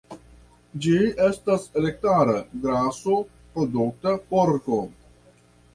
Ĝi estas elstara graso-produkta porko.